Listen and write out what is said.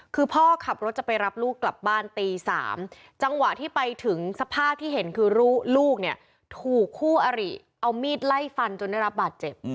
คือพ่อขับรถจะไปรับลูกกลับบ้านตี๓จังหวะที่ไปถึงสภาพที่เห็นคือลูกเนี่ยถูกคู่อริเอามีดไล่ฟันจนได้รับบาดเจ็บ